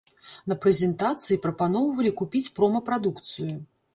На прэзентацыі прапаноўвалі купіць прома-прадукцыю.